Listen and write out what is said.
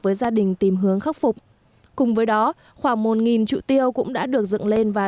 với gia đình tìm hướng khắc phục cùng với đó khoảng một trụ tiêu cũng đã được dựng lên và